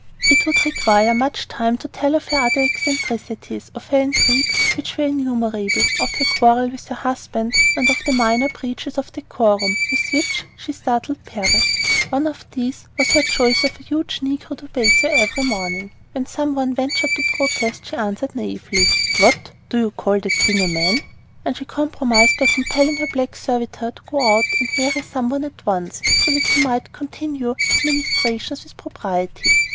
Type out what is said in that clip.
It would require much time to tell of her other eccentricities, of her intrigues, which were innumerable, of her quarrel with her husband, and of the minor breaches of decorum with which she startled Paris. One of these was her choice of a huge negro to bathe her every morning. When some one ventured to protest, she answered, naively: "What! Do you call that thing a MAN?" And she compromised by compelling her black servitor to go out and marry some one at once, so that he might continue his ministrations with propriety!